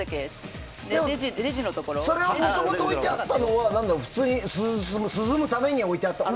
もともとあったのは普通に涼むために置いてあったの？